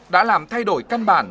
đã làm thay đổi căn bản